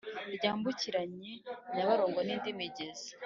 ryambukiranye nyabarongo nindi migezi